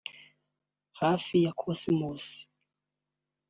hafi ya Cosmos